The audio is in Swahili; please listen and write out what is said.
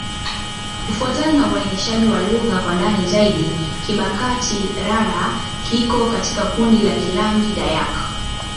Kufuatana na uainishaji wa lugha kwa ndani zaidi, Kibakati'-Rara iko katika kundi la Kiland-Dayak.